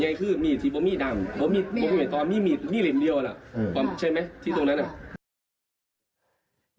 ใช่ไหมที่ตรงนั้น